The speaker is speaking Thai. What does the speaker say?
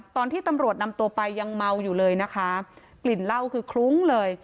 ตอนที่ตำรวจนำตัวไปยังเมาอยู่เลยนะคะกลิ่นเหล้าคือคลุ้งเลย